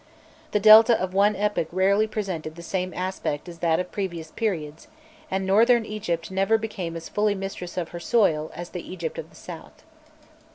The Delta of one epoch rarely presented the same aspect as that of previous periods, and Northern Egypt never became as fully mistress of her soil as the Egypt of the south.